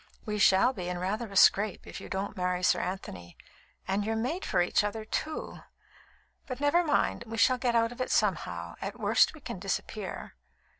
"We shall be in rather a scrape if you won't marry Sir Anthony and you're made for each other, too. But never mind, we shall get out of it somehow. At worst, we can disappear."